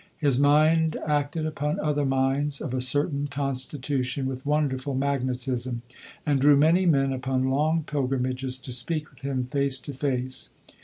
His mind acted upon other minds of a certain constitution with wonderful magnetism, and drew many men upon long pilgrimages to speak with him face to face.